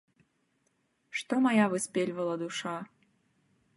Што мая выспельвала душа.